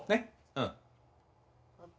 うん。